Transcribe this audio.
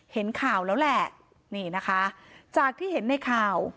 เห็นข่าวแล้วแหละนี่นะคะจากที่เห็นในข่าว